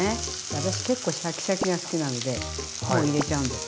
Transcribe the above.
私結構シャキシャキが好きなんでもう入れちゃうんです。